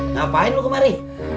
ngapain lu kemari